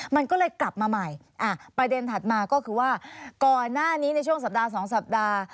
มันก็เลยกลับมาใหม่ประเด็นถัดมาก็คือว่าก่อนหน้านี้ในช่วงสัปดาห์๒สัปดาห์